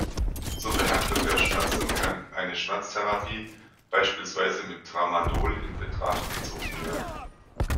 Zur Behandlung der Schmerzen kann eine Schmerztherapie, beispielsweise mit Tramadol, in Betracht gezogen werden.